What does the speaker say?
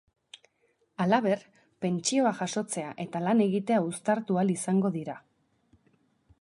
Halaber, pentsioa jasotzea eta lana egitea uztartu ahal izango dira.